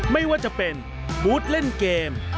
ไม่ว่าจะเป็นบูธเล่นเกม